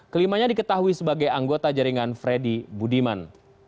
kelimanya diketahui sebagai anggota jaringan freddy budiman